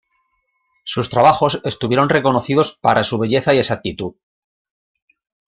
Sus trabajos estuvieron reconocidos para su belleza y exactitud.